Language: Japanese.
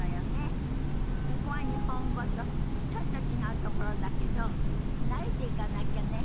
そこは日本語とちょっと違うところだけど慣れていかなきゃね。